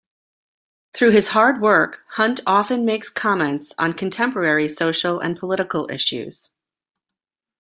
Through his work, Hunt often makes comments on contemporary social and political issues.